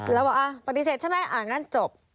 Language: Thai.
แล้วบอกปฏิเสธใช่ไหมอ่างั้นจบ